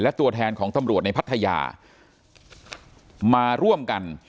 และตัวแทนของตำรวจในพัทยามาร่วมกัน